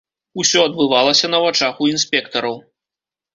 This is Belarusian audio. Усё адбывалася на вачах у інспектараў.